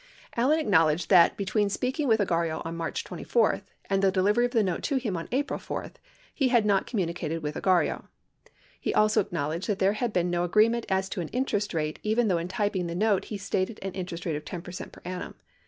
Allen acknowledged that between speaking with Ogarrio on March 24, and the delivery of the note to him on April 4, he had not com municated with Ogarrio. He also acknowledged that there had been no agreement as to an interest rate even though in typing the note he stated an interest rate of 10 percent per annum.